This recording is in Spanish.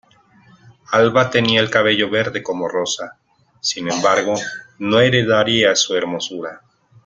Alba tenía el cabello verde como Rosa, sin embargo no heredaría su hermosura.